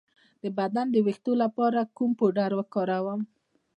د بدن د ویښتو لپاره کوم پوډر وکاروم؟